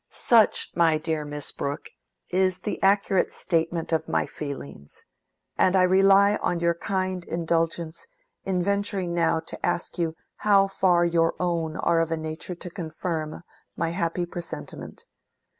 Such, my dear Miss Brooke, is the accurate statement of my feelings; and I rely on your kind indulgence in venturing now to ask you how far your own are of a nature to confirm my happy presentiment.